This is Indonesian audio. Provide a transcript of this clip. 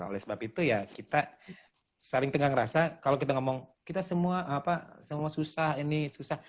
oleh sebab itu ya kita saling tegang rasa kalau kita ngomong kita semua apa semua susah ini susah